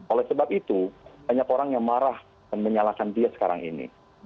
oleh sebab itu banyak orang yang marah dan menyalahkan dia sekarang ini